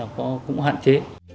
nó cũng hạn chế